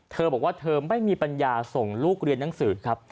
เธอบอกว่าเธอไม่มีปัญญาส่งลูกเรียนหนังสือครับ